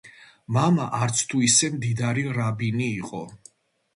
მამა არც თუ ისე მდიდარი რაბინი იყო.